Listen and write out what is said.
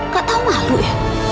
gak tau malu ya